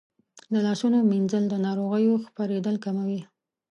د لاسونو مینځل د ناروغیو خپرېدل کموي.